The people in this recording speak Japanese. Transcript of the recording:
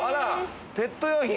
ペット用品？